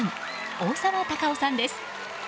大沢たかおさんです。